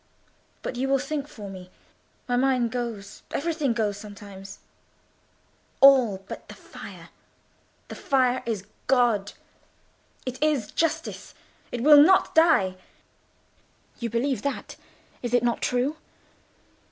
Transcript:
But you will think for me. My mind goes—everything goes sometimes—all but the fire. The fire is God: it is justice: it will not die. You believe that—is it not true?